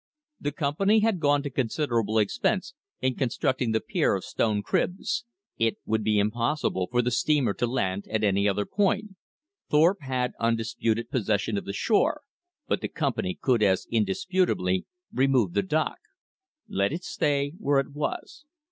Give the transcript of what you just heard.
The Company had gone to considerable expense in constructing the pier of stone cribs. It would be impossible for the steamer to land at any other point. Thorpe had undisputed possession of the shore, but the Company could as indisputably remove the dock. Let it stay where it was.